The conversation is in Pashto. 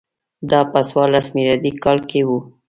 دا په څوارلس میلادي کال کې و